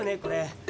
これ。